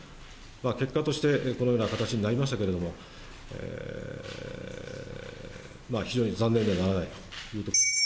結果として、このような形になりましたけれども、非常に残念でならないと。